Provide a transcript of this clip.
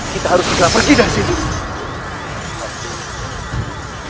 kita harus tinggal pergi dari sini